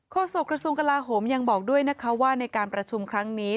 โศกระทรวงกลาโหมยังบอกด้วยนะคะว่าในการประชุมครั้งนี้